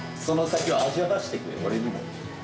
その先を味わわせてくれ俺にも。